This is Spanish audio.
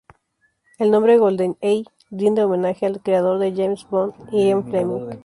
El nombre "GoldenEye" rinde homenaje al creador de James Bond, Ian Fleming.